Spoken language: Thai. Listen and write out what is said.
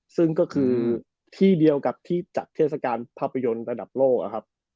ซึ่งก็คือที่เดียวกับที่จัดเทศกาลภาพยนตร์ระดับโลกนะครับ